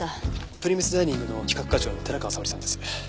プリムスダイニングの企画課長の寺川沙織さんです。